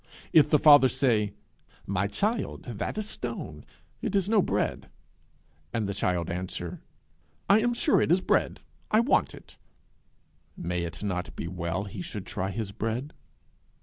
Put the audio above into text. If the Father say, 'My child, that is a stone; it is no bread;' and the child answer, 'I am sure it is bread; I want it;' may it not be well he should try his bread?